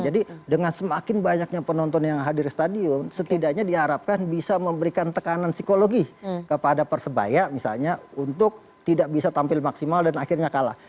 jadi dengan semakin banyaknya penonton yang hadir di stadion setidaknya diharapkan bisa memberikan tekanan psikologi kepada persebaya misalnya untuk tidak bisa tampil maksimal dan akhirnya kalah